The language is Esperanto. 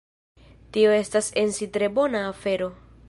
Tio estas en si tre bona afero.